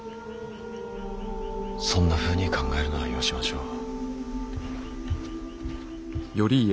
そんなふうに考えるのはよしましょう。